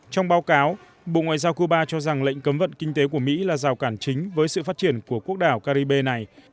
trong báo cáo bộ ngoại giao cuba cho rằng lệnh cấm vận kinh tế của mỹ là rào cản chính với sự phát triển của quốc đảo caribe này